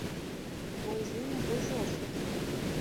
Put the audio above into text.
Бой з імі быў жорсткі.